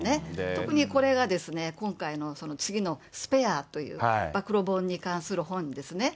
特にこれが今回の次のスペアという暴露本に関する本ですね。